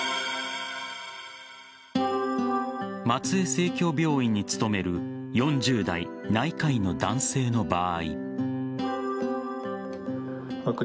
松江生協病院に勤める４０代内科医の男性の場合。